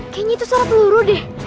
kayaknya itu secara peluru deh